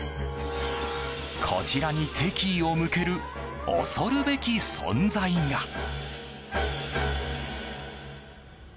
こちらに敵意を向ける恐るべき存在が。